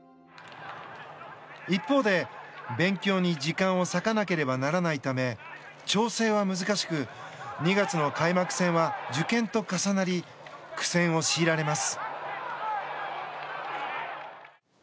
一方で、勉強に時間を割かなければならないため調整は難しく２月の開幕戦は受験と重なり苦戦を強いられます。